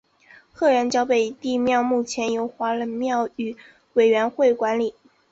鹤园角北帝庙目前由华人庙宇委员会管理。